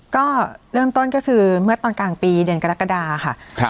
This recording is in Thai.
ก็เริ่มต้นก็คือเมื่อตอนกลางปีเดือนกรกฎาค่ะ